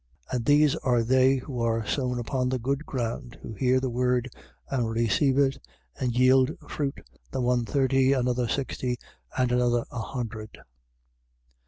4:20. And these are they who are sown upon the good ground, who hear the word, and receive it, and yield fruit, the one thirty, another sixty, and another a hundred.